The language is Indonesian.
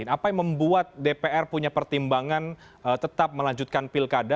apa yang membuat dpr punya pertimbangan tetap melanjutkan pilkada